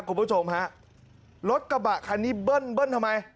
คุณผู้ชมฮะรถกระบะคันนี้เบิ้ลเบิ้ลทำไม